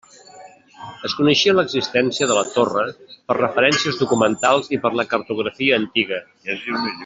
Es coneixia l'existència de la torre per referències documentals i per la cartografia antiga.